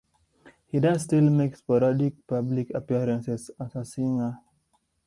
He does still make sporadic public appearances as a singer.